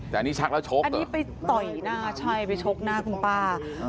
แต่อันนี้ชักแล้วชกอันนี้ไปต่อยหน้าใช่ไปชกหน้าคุณป้า